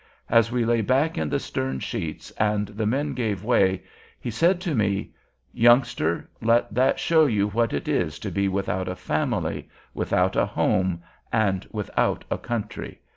As we lay back in the stern sheets and the men gave way, he said to me: "Youngster, let that show you what it is to be without a family, without a home, and without a country.